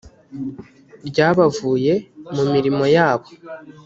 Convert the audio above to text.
ry abavuye mu mirimo yabo